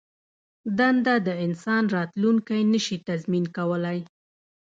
دنده د انسان راتلوونکی نه شي تضمین کولای.